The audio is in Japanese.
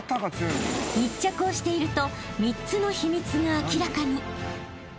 ［密着をしていると３つの秘密が明らかに］